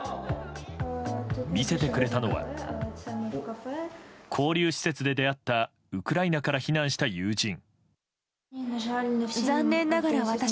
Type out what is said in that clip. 見せてくれたのは交流施設で出会ったウクライナから避難した友人。